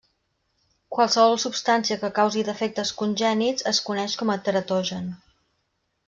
Qualsevol substància que causi defectes congènits es coneix com a teratogen.